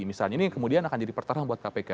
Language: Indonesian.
misalnya ini kemudian akan jadi perterang buat kpk